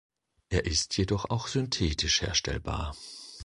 Er ist jedoch auch synthetisch herstellbar.